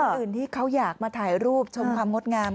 อื่นที่เขาอยากมาถ่ายรูปชมความงดงาม